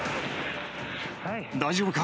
大丈夫か？